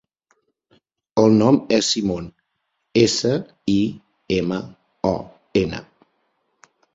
El nom és Simon: essa, i, ema, o, ena.